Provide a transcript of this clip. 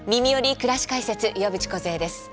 くらし解説」岩渕梢です。